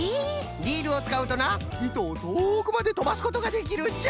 リールをつかうとないとをとおくまでとばすことができるんじゃ。